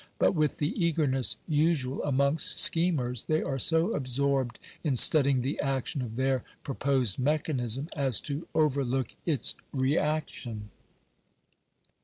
But, with the eagerness usual amongst schemers, they are so absorbed in studying the action of their proposed mechanism as to overlook its reaction.